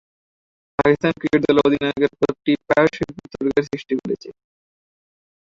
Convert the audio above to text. Pakistan cricket দলের অধিনায়কের পদটি প্রায়শঃই বিতর্কের সৃষ্টি করেছে।